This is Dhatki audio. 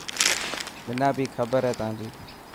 منا بي کبر هي تانجي.